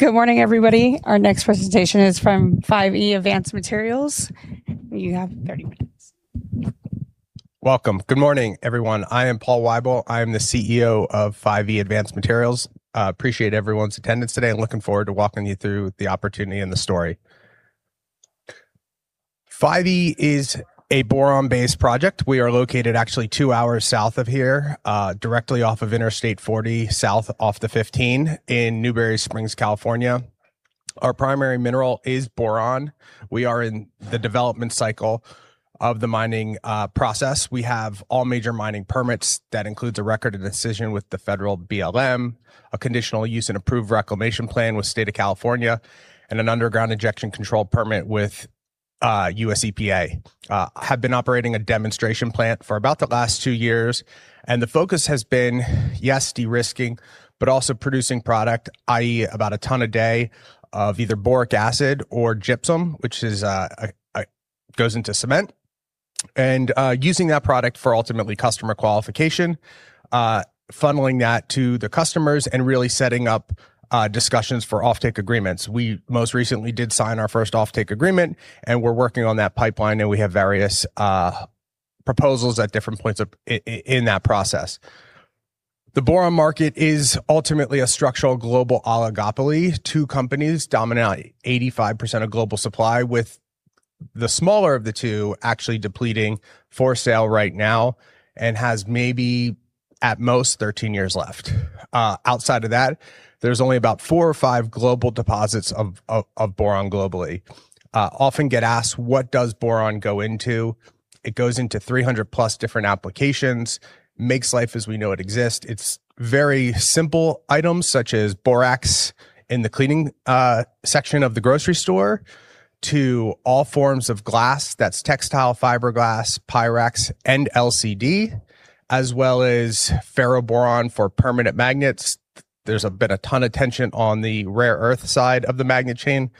Good morning, everybody. Our next presentation is from 5E Advanced Materials. You have 30 minutes. Welcome. Good morning, everyone. I am Paul Weibel. I am the CEO of 5E Advanced Materials. Appreciate everyone's attendance today and looking forward to walking you through the opportunity and the story. 5E is a boron-based project. We are located actually two hours south of here, directly off of Interstate 40, south off the 15 in Newberry Springs, California. Our primary mineral is boron. We are in the development cycle of the mining process. We have all major mining permits, that includes a record of decision with the federal BLM, a conditional use and approved reclamation plan with the State of California, and an underground injection control permit with US EPA. Have been operating a demonstration plant for about the last two years. The focus has been, yes, de-risking, but also producing product, i.e., about a ton a day of either boric acid or gypsum, which goes into cement, and using that product for ultimately customer qualification, funneling that to the customers, and really setting up discussions for offtake agreements. We most recently did sign our first offtake agreement. We're working on that pipeline, and we have various proposals at different points in that process. The boron market is ultimately a structural global oligopoly. Two companies dominate 85% of global supply, with the smaller of the two actually depleting for sale right now and has maybe at most 13 years left. Outside of that, there's only about four or five global deposits of boron globally. Often get asked, "What does boron go into?" It goes into 300+ different applications, makes life as we know it exist. It's very simple items such as Borax in the cleaning section of the grocery store to all forms of glass. That's textile, fiberglass, Pyrex, and LCD, as well as ferroboron for permanent magnets. There's been a ton of tension on the rare earth side of the magnet chain.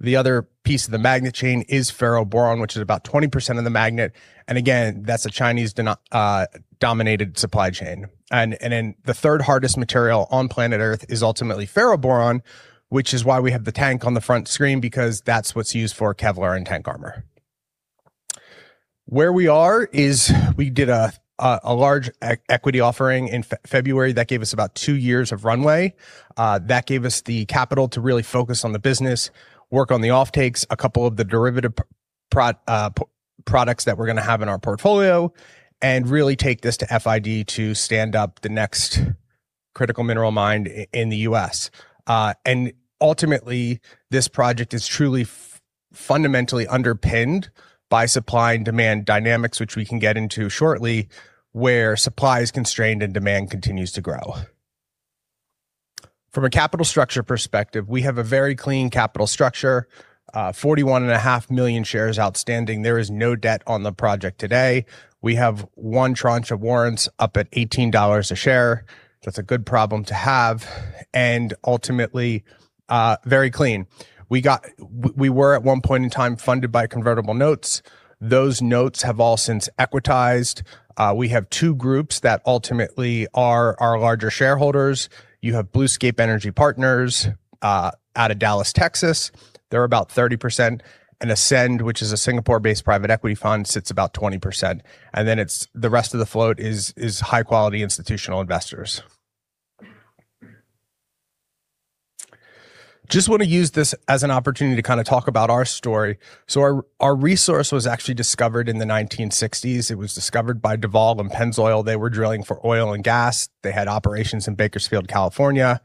The other piece of the magnet chain is ferroboron, which is about 20% of the magnet. Again, that's a Chinese-dominated supply chain. Then the third hardest material on planet Earth is ultimately ferroboron, which is why we have the tank on the front screen because that's what's used for Kevlar and tank armor. Where we are is we did a large equity offering in February that gave us about two years of runway. That gave us the capital to really focus on the business, work on the offtakes, a couple of the derivative products that we're going to have in our portfolio, and really take this to FID to stand up the next critical mineral mine in the U.S. Ultimately, this project is truly fundamentally underpinned by supply and demand dynamics, which we can get into shortly, where supply is constrained and demand continues to grow. From a capital structure perspective, we have a very clean capital structure, 41.5 million shares outstanding. There is no debt on the project today. We have one tranche of warrants up at $18 a share. That's a good problem to have. Ultimately, very clean. We were at one point in time funded by convertible notes. Those notes have all since equitized. We have two groups that ultimately are our larger shareholders. You have Bluescape Energy Partners out of Dallas, Texas. They're about 30%. Ascend, which is a Singapore-based private equity fund, sits about 20%. Then the rest of the float is high-quality institutional investors. Just want to use this as an opportunity to talk about our story. Our resource was actually discovered in the 1960s. It was discovered by Duval and Pennzoil. They were drilling for oil and gas. They had operations in Bakersfield, California.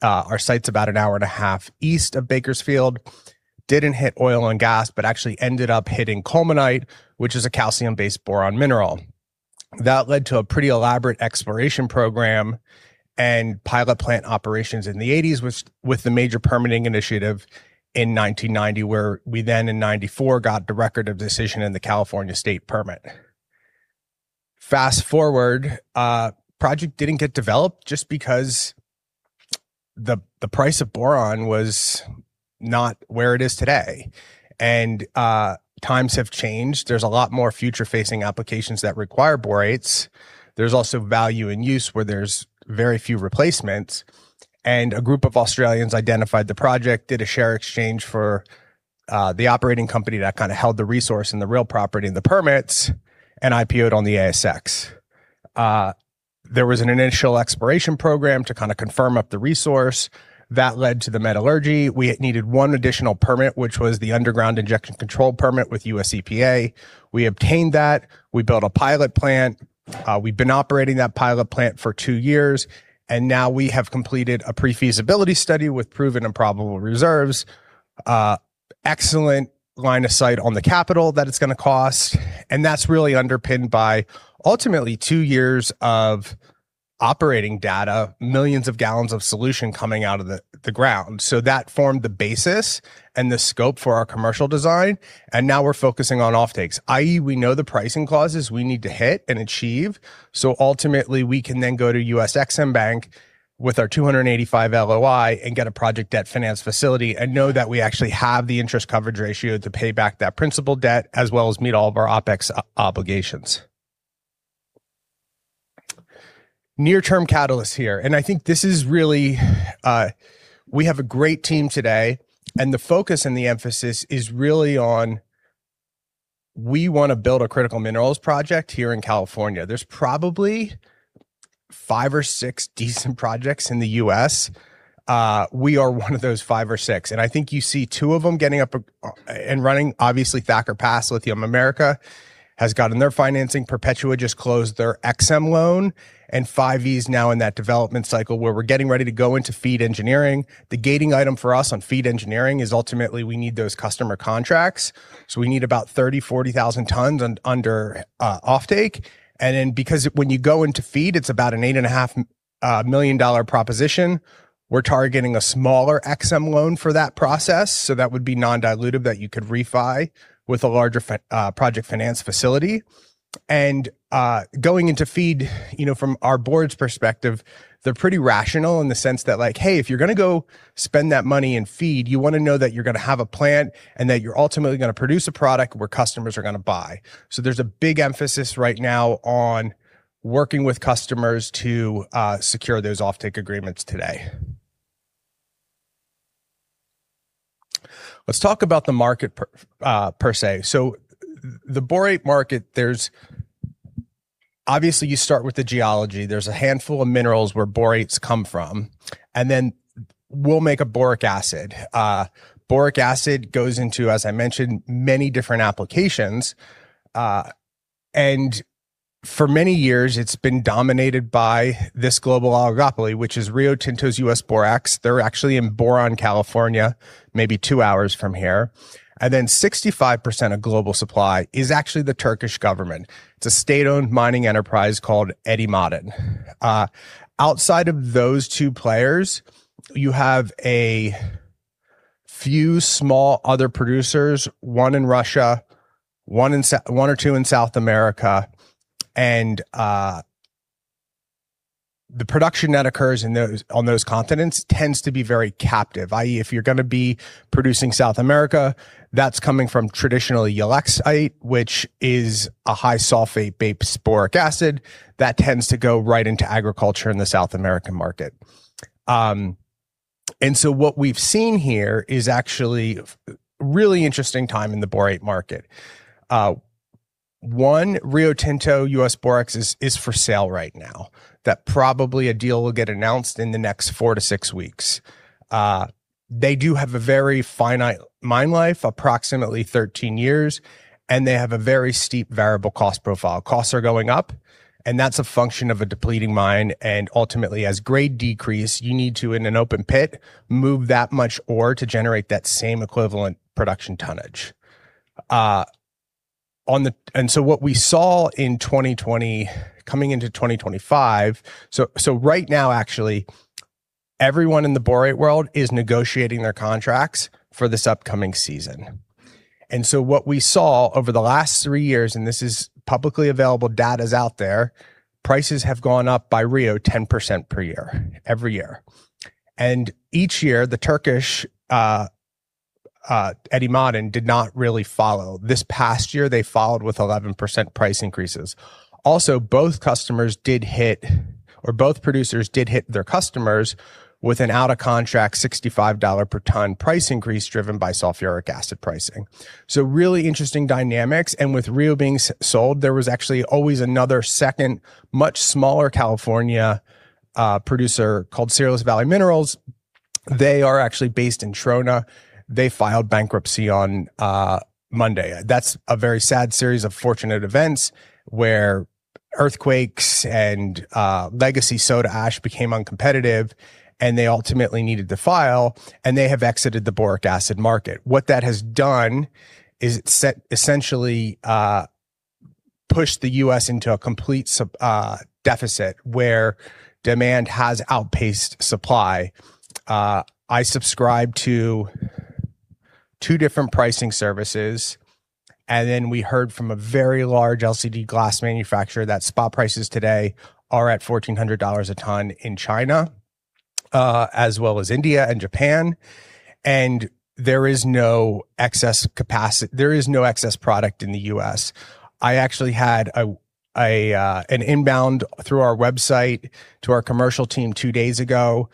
Our site's about an hour and a half east of Bakersfield. Didn't hit oil and gas, but actually ended up hitting colemanite, which is a calcium-based boron mineral. That led to a pretty elaborate exploration program and pilot plant operations in the '80s with the major permitting initiative in 1990, where we then in 1994 got the record of decision in the California State Permit. Fast-forward, project didn't get developed just because the price of boron was not where it is today. Times have changed. There's a lot more future-facing applications that require borates. There's also value in use where there's very few replacements. A group of Australians identified the project, did a share exchange for the operating company that held the resource and the real property and the permits, and IPO'd on the ASX. An initial exploration program to confirm up the resource. That led to the metallurgy. We needed one additional permit, which was the underground injection control permit with U.S. EPA. We obtained that. We built a pilot plant. We've been operating that pilot plant for two years, and now we have completed a pre-feasibility study with proven and probable reserves. Excellent line of sight on the capital that it's going to cost, and that's really underpinned by ultimately two years of operating data, millions of gallons of solution coming out of the ground. That formed the basis and the scope for our commercial design, and now we're focusing on offtakes, i.e., we know the pricing clauses we need to hit and achieve. Ultimately, we can then go to U.S. EXIM Bank with our $285 million LOI and get a project debt finance facility and know that we actually have the interest coverage ratio to pay back that principal debt as well as meet all of our OPEX obligations. Near-term catalysts here. I think we have a great team today, and the focus and the emphasis is really on we want to build a critical minerals project here in California. There's probably five or six decent projects in the U.S. We are one of those five or six, and I think you see two of them getting up and running. Obviously, Thacker Pass, Lithium Americas, has gotten their financing. Perpetua just closed their EXIM loan. 5E's now in that development cycle where we're getting ready to go into FEED engineering. The gating item for us on FEED engineering is ultimately we need those customer contracts. We need about 30,000, 40,000 tons under offtake. Then because when you go into FEED, it's about an $8.5 million proposition, we're targeting a smaller EXIM loan for that process. That would be non-dilutive that you could refi with a larger project finance facility. Going into FEED, from our board's perspective, they're pretty rational in the sense that like, hey, if you're going to go spend that money in FEED, you want to know that you're going to have a plant and that you're ultimately going to produce a product where customers are going to buy. There's a big emphasis right now on working with customers to secure those offtake agreements today. Let's talk about the market per se. The borate market, obviously you start with the geology. There's a handful of minerals where borates come from, and then we'll make a boric acid. Boric acid goes into, as I mentioned, many different applications. For many years it's been dominated by this global oligopoly, which is Rio Tinto's U.S. Borax. They're actually in Boron, California, maybe two hours from here. 65% of global supply is actually the Turkish government. It's a state-owned mining enterprise called Eti Maden. Outside of those two players, you have a few small other producers, one in Russia, one or two in South America, and the production that occurs on those continents tends to be very captive. i.e., if you're going to be producing South America, that's coming from traditional ulexite, which is a high sulfate-based boric acid that tends to go right into agriculture in the South American market. What we've seen here is actually a really interesting time in the borate market. One, Rio Tinto U.S. Borax is for sale right now, that probably a deal will get announced in the next four to six weeks. They do have a very finite mine life, approximately 13 years, and they have a very steep variable cost profile. Costs are going up, and that's a function of a depleting mine and ultimately as grade decrease, you need to, in an open pit, move that much ore to generate that same equivalent production tonnage. What we saw in 2020 coming into 2025, right now actually everyone in the borate world is negotiating their contracts for this upcoming season. What we saw over the last three years, and this is publicly available data out there, prices have gone up by Rio Tinto, 10% per year, every year. Each year, the Turkish, Eti Maden, did not really follow. This past year, they followed with 11% price increases. Also, both producers did hit their customers with an out-of-contract $65 per ton price increase driven by sulfuric acid pricing. Really interesting dynamics. With Rio being sold, there was actually always another second, much smaller California producer called Searles Valley Minerals. They are actually based in Trona. They filed bankruptcy on Monday. That's a very sad series of unfortunate events where earthquakes and legacy soda ash became uncompetitive and they ultimately needed to file, and they have exited the boric acid market. What that has done is it essentially pushed the U.S. into a complete deficit where demand has outpaced supply. I subscribe to two different pricing services, and then we heard from a very large LCD glass manufacturer that spot prices today are at $1,400 a ton in China, as well as India and Japan. There is no excess product in the U.S. I actually had an inbound through our website to our commercial team two days ago.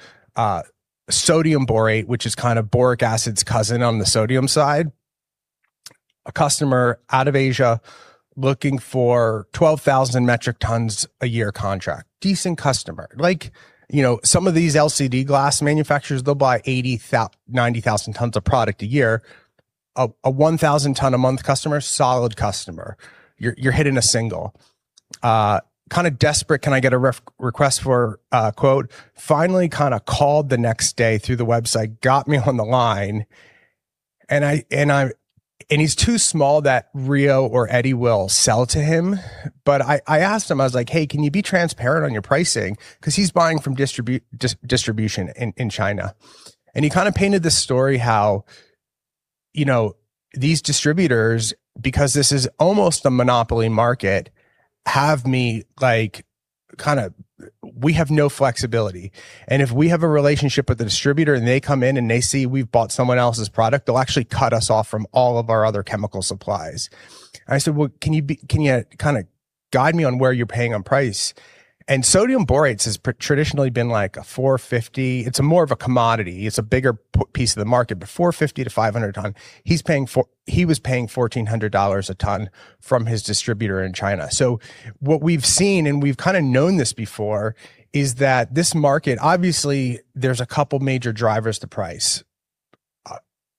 Sodium borate, which is kind of boric acid's cousin on the sodium side. A customer out of Asia looking for 12,000 metric tons a year contract. Decent customer. Some of these LCD glass manufacturers, they'll buy 80,000, 90,000 tons of product a year. A 1,000 ton a month customer, solid customer. You're hitting a single. Desperate, can I get a request for a quote? Finally, called the next day through the website, got me on the line, he's too small that Rio or Eti will sell to him. I asked him, I was like, "Hey, can you be transparent on your pricing?" Because he's buying from distribution in China. He painted this story how these distributors, because this is almost a monopoly market, we have no flexibility. If we have a relationship with the distributor and they come in and they see we've bought someone else's product, they'll actually cut us off from all of our other chemical supplies. I said, "Well, can you guide me on where you're paying on price." Sodium borate has traditionally been like a $450. It's more of a commodity. It's a bigger piece of the market, but $450 to $500 a ton. He was paying $1,400 a ton from his distributor in China. What we've seen, and we've kind of known this before, is that this market, obviously there's a couple major drivers to price.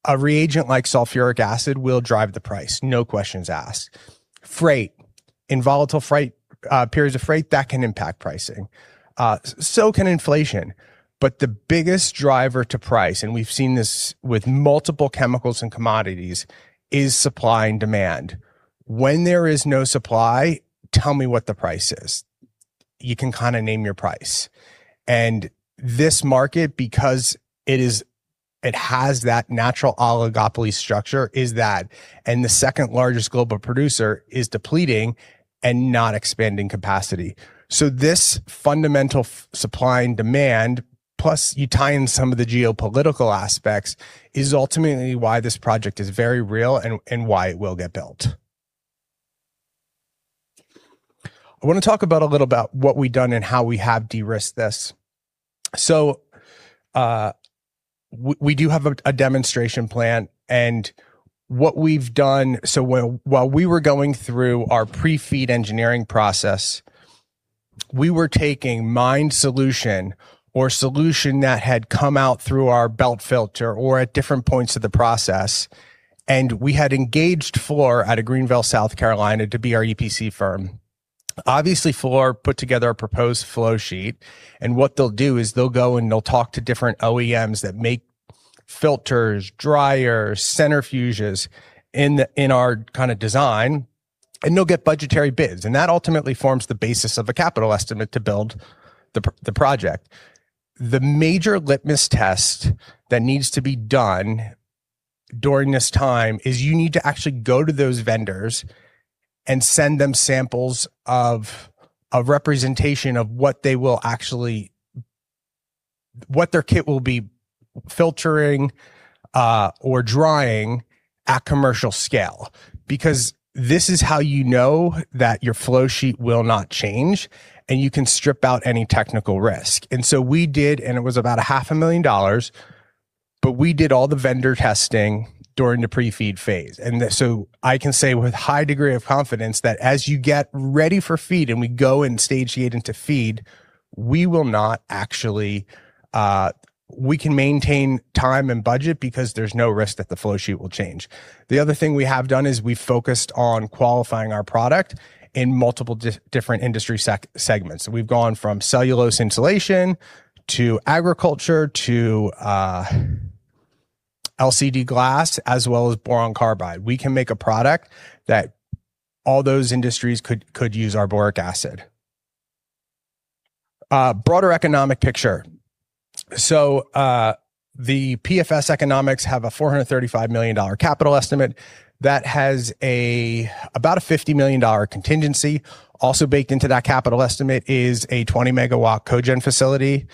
A reagent like sulfuric acid will drive the price, no questions asked. Freight, in volatile periods of freight, that can impact pricing. So can inflation. The biggest driver to price, and we've seen this with multiple chemicals and commodities, is supply and demand. When there is no supply, tell me what the price is. You can name your price. This market, because it has that natural oligopoly structure, is that. The second-largest global producer is depleting and not expanding capacity. This fundamental supply and demand, plus you tie in some of the geopolitical aspects, is ultimately why this project is very real and why it will get built. I want to talk a little about what we've done and how we have de-risked this. We do have a demonstration plant and what we've done, while we were going through our pre-FEED engineering process, we were taking mined solution or solution that had come out through our belt filter or at different points of the process, and we had engaged Fluor out of Greenville, South Carolina, to be our EPC firm. Obviously, Fluor put together a proposed flow sheet, and what they'll do is they'll go and they'll talk to different OEMs that make filters, dryers, centrifuges in our design, and they'll get budgetary bids. That ultimately forms the basis of a capital estimate to build the project. The major litmus test that needs to be done during this time is you need to actually go to those vendors and send them samples of a representation of what their kit will be filtering or drying at commercial scale. This is how you know that your flow sheet will not change and you can strip out any technical risk. We did, and it was about a half a million dollars, but we did all the vendor testing during the pre-FEED phase. I can say with a high degree of confidence that as you get ready for FEED and we go and stage the gate into FEED, we can maintain time and budget because there's no risk that the flow sheet will change. The other thing we have done is we've focused on qualifying our product in multiple different industry segments. We've gone from cellulose insulation to agriculture to LCD glass as well as boron carbide. We can make a product that all those industries could use our boric acid. Broader economic picture. The PFS economics have a $435 million capital estimate that has about a $50 million contingency. Also baked into that capital estimate is a 20-megawatt cogen facility.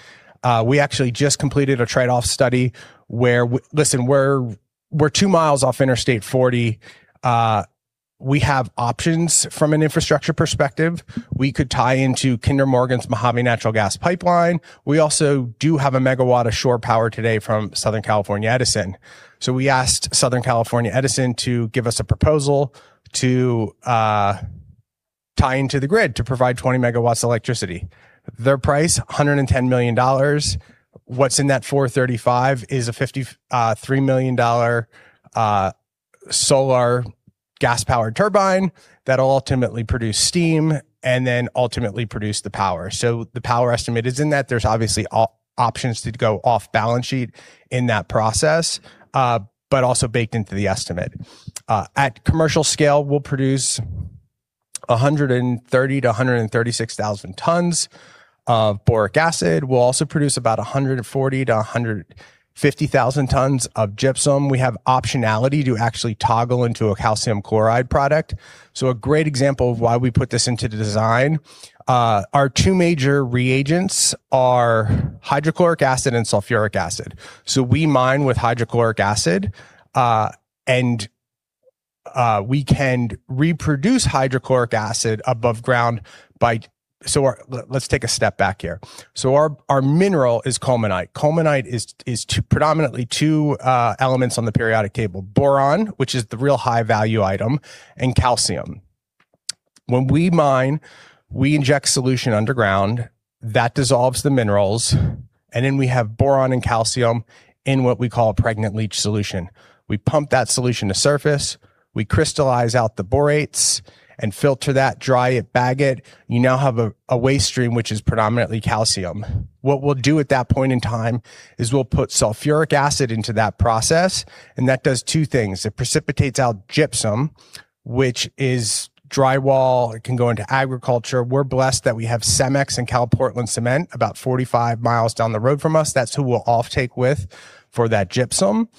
We actually just completed a trade-off study where, listen, we're two miles off Interstate 40. We have options from an infrastructure perspective. We could tie into Kinder Morgan's Mojave Natural Gas Pipeline. We also do have a megawatt of shore power today from Southern California Edison. We asked Southern California Edison to give us a proposal to tie into the grid to provide 20 megawatts of electricity. Their price, $110 million. What's in that 435 is a $53 million solar gas-powered turbine that'll ultimately produce steam and then ultimately produce the power. The power estimate is in that. There's obviously options to go off-balance sheet in that process, but also baked into the estimate. At commercial scale, we'll produce 130,000-136,000 tons of boric acid. We'll also produce about 140,000-150,000 tons of gypsum. We have optionality to actually toggle into a calcium chloride product. A great example of why we put this into the design. Our two major reagents are hydrochloric acid and sulfuric acid. We mine with hydrochloric acid, and we can reproduce hydrochloric acid above ground by. Let's take a step back here. Our mineral is colemanite. Colemanite is predominantly two elements on the periodic table, boron, which is the real high-value item, and calcium. When we mine, we inject solution underground. That dissolves the minerals, and then we have boron and calcium in what we call a pregnant leach solution. We pump that solution to surface, we crystallize out the borates and filter that, dry it, bag it. You now have a waste stream which is predominantly calcium. What we'll do at that point in time is we'll put sulfuric acid into that process, and that does two things. It precipitates out gypsum, which is drywall. It can go into agriculture. We're blessed that we have Cemex and CalPortland Cement about 45 miles down the road from us. That's who we'll offtake with for that gypsum.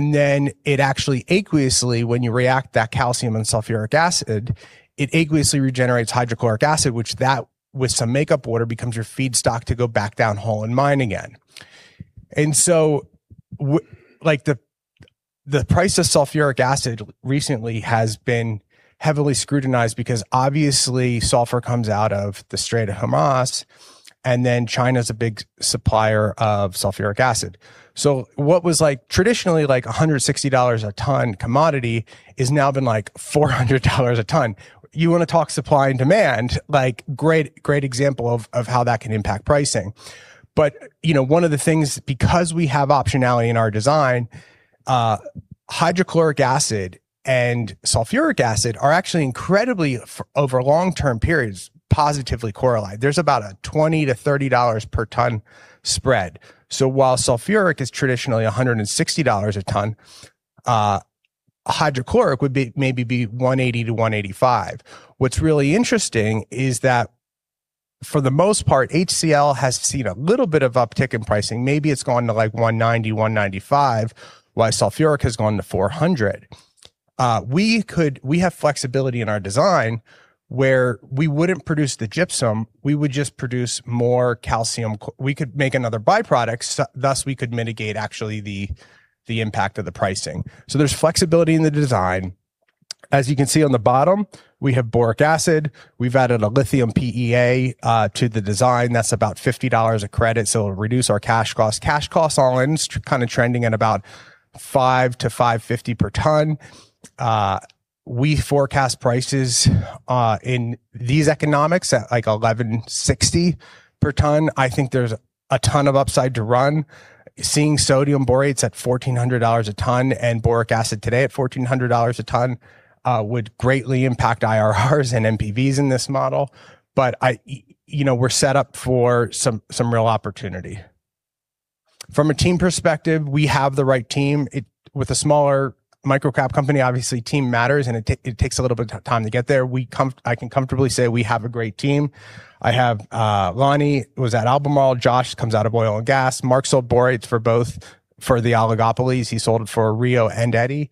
It actually aqueously, when you react that calcium and sulfuric acid, it aqueously regenerates hydrochloric acid, which that, with some makeup water, becomes your feedstock to go back downhole and mine again. The price of sulfuric acid recently has been heavily scrutinized because obviously sulfur comes out of the Strait of Hormuz, and then China's a big supplier of sulfuric acid. What was traditionally a $160 a ton commodity has now been like $400 a ton. You want to talk supply and demand, great example of how that can impact pricing. One of the things, because we have optionality in our design, hydrochloric acid and sulfuric acid are incredibly, over long-term periods, positively correlated. There's about a $20-$30 per ton spread. While sulfuric is traditionally $160 a ton, hydrochloric would maybe be $180-$185. What's really interesting is that for the most part, HCl has seen a little bit of uptick in pricing. Maybe it's gone to like $190, $195, while sulfuric has gone to $400. We have flexibility in our design where we wouldn't produce the gypsum, we would just produce more calcium. We could make another by-product, thus we could mitigate the impact of the pricing. There's flexibility in the design. As you can see on the bottom, we have boric acid. We've added a lithium PEA to the design. That's about $50 a credit, so it'll reduce our cash costs. Cash costs all in, is trending at about $5-$550 per ton. We forecast prices in these economics at like $1,160 per ton. I think there's a ton of upside to run. Seeing sodium borate at $1,400 a ton and boric acid today at $1,400 a ton would greatly impact IRRs and NPVs in this model. We're set up for some real opportunity. From a team perspective, we have the right team. With a smaller microcap company, obviously team matters, and it takes a little bit of time to get there. I can comfortably say we have a great team. I have Lonnie, who was at Albemarle. Josh comes out of oil and gas. Mark sold borates for both, for the oligopolies. He sold it for Rio and Eti.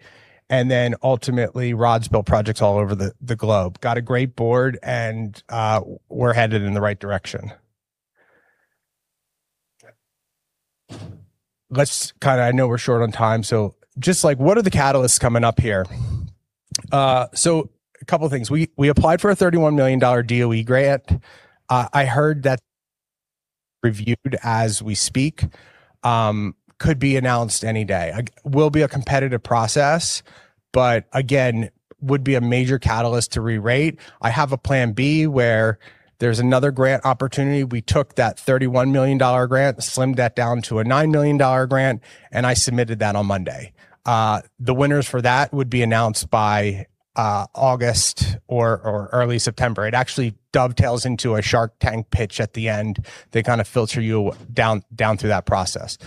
Ultimately, Rod's built projects all over the globe. Got a great board, we're headed in the right direction. I know we're short on time, just what are the catalysts coming up here? A couple of things. We applied for a $31 million DOE grant. I heard that reviewed as we speak. Could be announced any day. Will be a competitive process, again, would be a major catalyst to rerate. I have a plan B where there's another grant opportunity. We took that $31 million grant, slimmed that down to a $9 million grant, and I submitted that on Monday. The winners for that would be announced by August or early September. It dovetails into a Shark Tank pitch at the end. They filter you down through that process.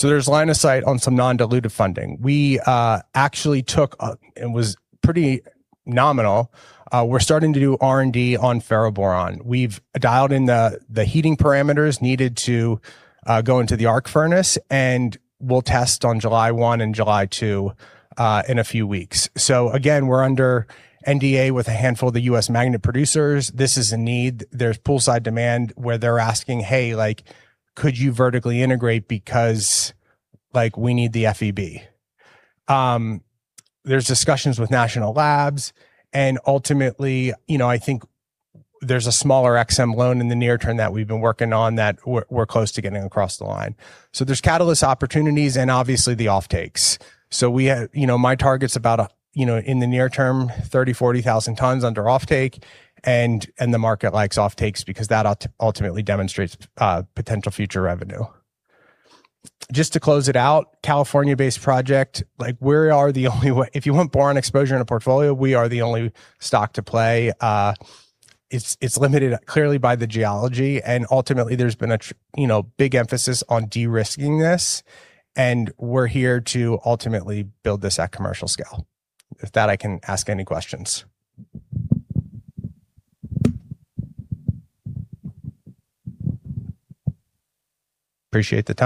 There's line of sight on some non-dilutive funding. We took, it was pretty nominal. We're starting to do R&D on ferroboron. We've dialed in the heating parameters needed to go into the arc furnace, and we'll test on July 1 and July 2 in a few weeks. Again, we're under NDA with a handful of the U.S. magnet producers. This is a need. There's pull-through demand where they're asking, "Hey, could you vertically integrate because we need the FeB?" There's discussions with national labs, ultimately, I think there's a smaller EXIM loan in the near term that we've been working on that we're close to getting across the line. There's catalyst opportunities and obviously the offtakes. My target's about, in the near term, 30,000, 40,000 tons under offtake and the market likes offtakes because that ultimately demonstrates potential future revenue. Just to close it out, California-based project. If you want boron exposure in a portfolio, we are the only stock to play. It's limited clearly by the geology, and ultimately there's been a big emphasis on de-risking this, and we're here to ultimately build this at commercial scale. With that, I can ask any questions. Appreciate the time.